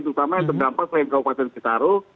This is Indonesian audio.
terutama yang terdampak selain kabupaten citaru